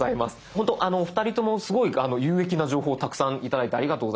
ほんとお二人ともすごい有益な情報をたくさん頂いてありがとうございます。